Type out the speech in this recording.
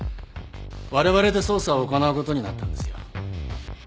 われわれで捜査を行うことになったんですよ。